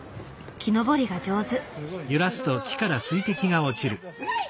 木登りが上手。